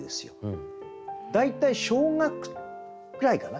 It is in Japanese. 大体小学ぐらいかな。